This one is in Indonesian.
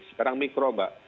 sekarang mikro mbak